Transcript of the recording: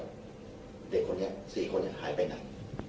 เด็กคนเนี่ย๔คนเนี่ยหายไปไหน